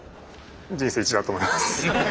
人生いちだと思います。